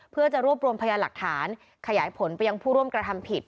เพื่อจะรวบรวมพยานหลักฐานขยายผลไปยังผู้ร่วมกระทำผิด